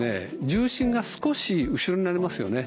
重心が少し後ろになりますよね。